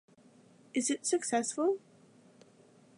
Is it successful?